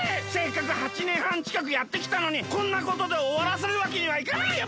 せっかく８ねんはんちかくやってきたのにこんなことでおわらせるわけにはいかない！